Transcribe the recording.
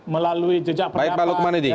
melalui jejak pendapat baik balok kemana ini